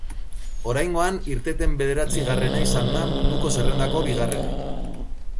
Oraingoan, irteten bederatzigarrena izan da munduko zerrendako bigarrena.